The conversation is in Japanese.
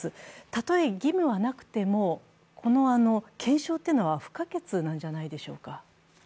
たとえ義務はなくても検証というのは不可欠なんじゃないでしょうか。